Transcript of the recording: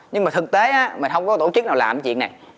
nhưng mà thực tế mình không có tổ chức nào làm chuyện này